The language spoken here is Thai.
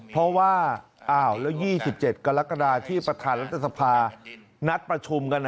เพราะว่าแล้ว๒๗กรกฎาที่ประธานรัฐสภานัดประชุมกัน